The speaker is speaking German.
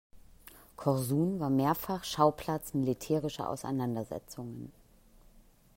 Korsun war mehrfach Schauplatz militärischer Auseinandersetzungen.